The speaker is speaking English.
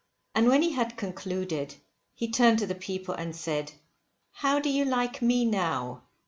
And when he had concluded he turned to the people and said, how do you like me now?